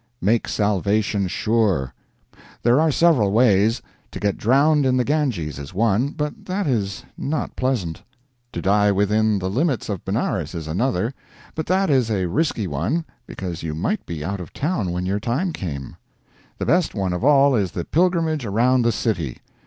Make Salvation Sure. There are several ways. To get drowned in the Ganges is one, but that is not pleasant. To die within the limits of Benares is another; but that is a risky one, because you might be out of town when your time came. The best one of all is the Pilgrimage Around the City.